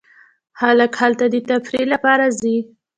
خلک هلته د تفریح لپاره ځي.